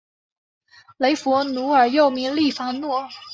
雷佛奴尔又名利凡诺。